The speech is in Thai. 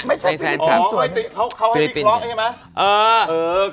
ไม่ใช่ฟิลิปอ๋อเขาให้พี่คร๊อกใช่ไหม